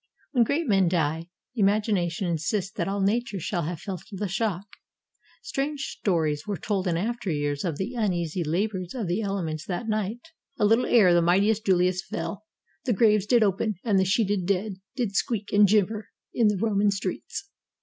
When great men die, imagination insists that all nature shall have felt the shock. Strange stories were told in after years of the uneasy labors of the ele ments that night. "A little ere the mightiest Julius fell, The graves did open, and the sheeted dead Did squeak and jibber in the Roman streets."